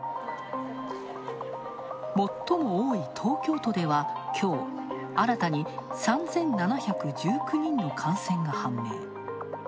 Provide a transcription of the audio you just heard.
最も多い東京都ではきょう、新たに３７１９人の感染が判明。